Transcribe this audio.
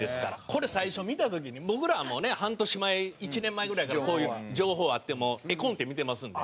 これ最初見た時に僕らはもうね半年前１年前ぐらいからこういう情報あってもう絵コンテ見てますんで。